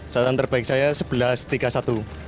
catatan terbaik saya sebelas tiga puluh satu